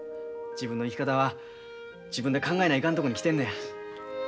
自分の生き方は自分で考えないかんとこに来てんねや。